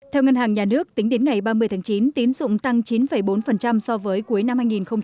theo ngân hàng nhà nước tính đến ngày ba mươi tháng chín tín dụng tăng chín bốn so với cuối năm hai nghìn một mươi tám